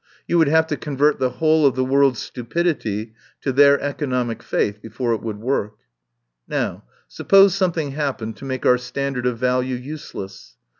You would have to convert the whole of the world's stupidity to their economic faith be fore it would work. "Now, suppose something happened to make our standard of value useless.